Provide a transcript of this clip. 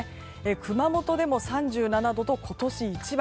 熊本でも３７度と今年一番。